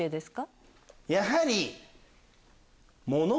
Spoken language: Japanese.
やはり。